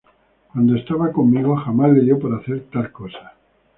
Cuando estaba conmigo jamás le dio por hacer tal cosa".